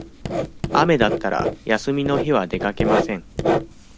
雨だったら、休みの日は出かけません。